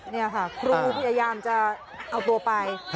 นี่ค่ะครูพยายามจะเอาตัวไป